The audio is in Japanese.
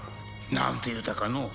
何と言うたかの？